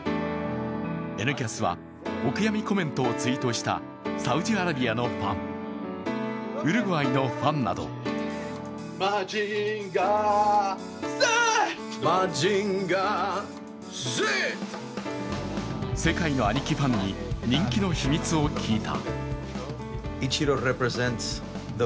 「Ｎキャス」はお悔やみコメントをツイートしたサウジアラビアのファン、ウルグアイのファンなど世界のアニキファンに人気の秘密を聞いた。